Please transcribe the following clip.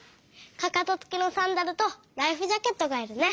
かかとつきのサンダルとライフジャケットがいるね！